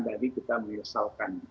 tadi kita meresalkan